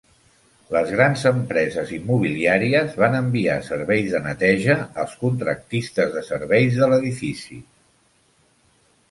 Les grans empreses immobiliàries van enviar serveis de neteja als contractistes de serveis de l'edifici.